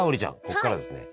ここからですね